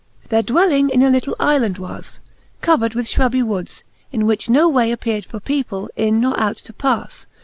Their dwelling in a little Ifland was. Covered with flirubby woods, in which no way Appeard for people in nor out to pas.